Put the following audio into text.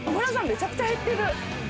めちゃくちゃ減ってる。